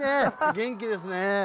元気ですね。